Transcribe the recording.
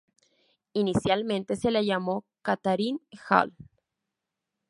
Inicialmente se le llamó "Katharine Hall".